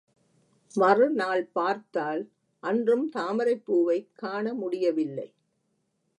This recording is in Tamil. மறுநாள் பார்த்தால் அன்றும் தாமரைப்பூவைக் காணமுடியவில்லை.